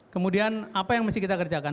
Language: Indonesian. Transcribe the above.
kemudian apa yang mesti kita kerjakan